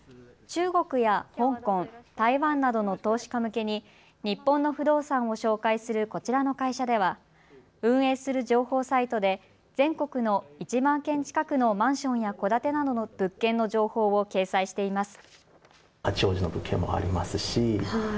中国や香港、台湾などの投資家向けに日本の不動産を紹介するこちらの会社では運営する情報サイトで全国の１万件近くのマンションや戸建てなどの物件の情報を掲載しています。